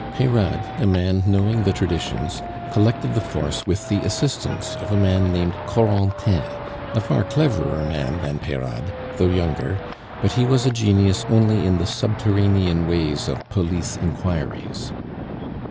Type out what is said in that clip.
Peyrade, a man knowing the traditions, collected the force with the assistance of a man named Corentin, a far cleverer man than Peyrade, though younger; but he was a genius only in the subterranean ways of police inquiries.